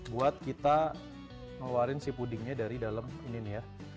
buat kita ngeluarin si pudingnya dari dalam ini nih ya